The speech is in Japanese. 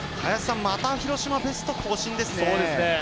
また廣島ベスト更新ですね。